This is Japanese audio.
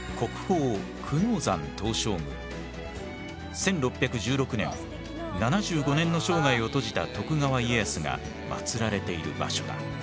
１６１６年７５年の生涯を閉じた徳川家康が祭られている場所だ。